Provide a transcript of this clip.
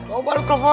mau balik telepon